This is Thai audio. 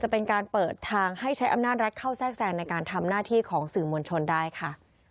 เป็นการเปิดทางให้ใช้อำนาจรัฐเข้าแทรกแทรงในการทำหน้าที่ของสื่อมวลชนได้ค่ะ